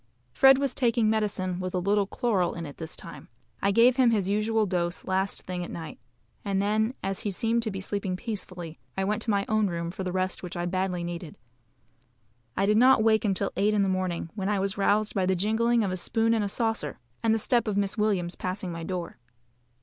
Fred was taking medicine with a little chloral in it at this time. I gave him his usual dose last thing at night; and then, as he seemed to be sleeping peacefully, I went to my own room for the rest which I badly needed. I did not wake until eight in the morning, when I was roused by the jingling of a spoon in a saucer, and the step of Miss Williams passing my door.